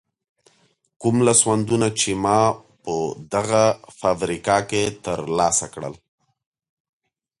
کوم لاسوندونه چې ما په دغه فابریکه کې تر لاسه کړل.